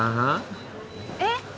えっ？